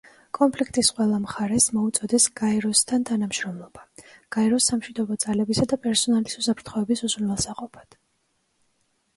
კონფლიქტის ყველა მხარეს მოუწოდეს გაეროსთან თანამშრომლობა, გაეროს სამშვიდობო ძალებისა და პერსონალის უსაფრთხოების უზრუნველსაყოფად.